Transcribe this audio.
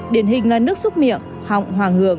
điển hình là nước xúc miệng họng hoàng hường